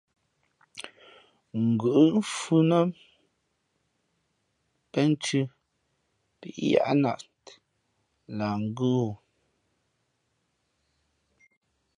Ngʉ̌ʼ mfhʉ̄ mα peʼnthʉ̄ pí yahnāt lah ngʉ́ wū.